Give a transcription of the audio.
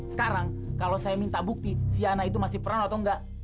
sekarang kalau saya minta bukti si yana itu masih peran atau enggak